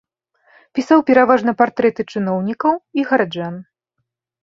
Пісаў пераважна партрэты чыноўнікаў і гараджан.